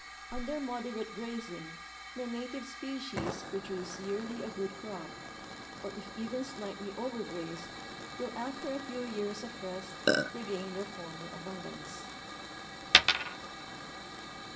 Under moderate grazing the native species pi'o duee yearly a good crop, or if even slightly over grazed will after a few years of rest regain their former abundance.